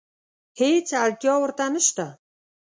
هېڅ اړتیا ورته نشته.